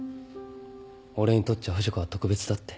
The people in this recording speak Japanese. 俺にとっちゃ不二子は特別だって。